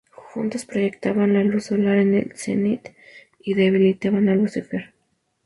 Juntas proyectan la luz solar en el cenit y debilitan a Lucifer.